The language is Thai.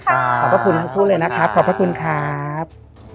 ขอบคุณทุกเลยนะครับขอบคุณครับ